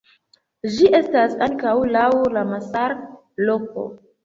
Ĝi estas ankaŭ laŭ Ramsar-loko.